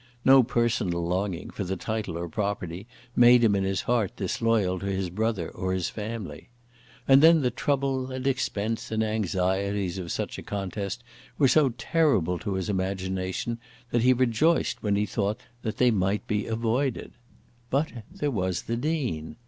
No personal longing for the title or property made him in his heart disloyal to his brother or his family. And then the trouble and expense and anxieties of such a contest were so terrible to his imagination, that he rejoiced when he thought that they might be avoided. But there was the Dean.